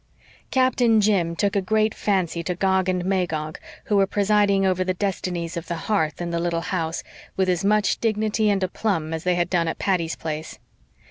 Captain Jim took a great fancy to Gog and Magog, who were presiding over the destinies of the hearth in the little house with as much dignity and aplomb as they had done at Patty's Place.